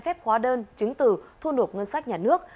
phép hóa đơn chứng từ thu nộp ngân sách nhà nước